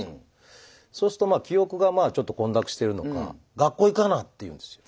そうするとまあ記憶がちょっと混濁してるのか「学校行かな」って言うんですよ。